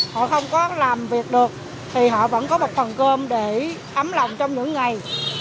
họ không có làm việc được thì họ vẫn có một phần cơm để ấm lòng trong những ngày